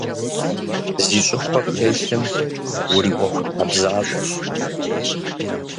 Зи щIыхуэ птелъым уриIуэхутхьэбзащIэщ.